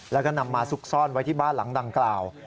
แล้วก็นำมาซุกซ่อนไว้ที่บ้านหลังดังกล่าว